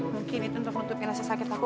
mungkin itu untuk menutupi rasa sakit aku